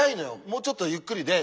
もうちょっとゆっくりで。